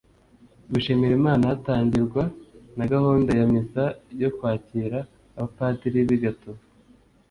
gushimira imana hatangirwa na gahunda ya misa yo kwakira abapadiri b’i gatovu